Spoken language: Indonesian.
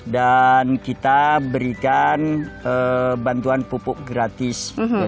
dan kita berikan bantuan pupuk gratis